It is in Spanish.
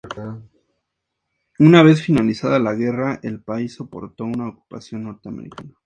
Una vez finalizada la guerra, el país soportó una ocupación norteamericana.